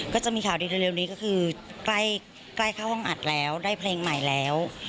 ก็จะมีข่าวดีเร็วนี้ก็คือใกล้เข้าห้องอัดแล้วได้เพลงใหม่แล้ว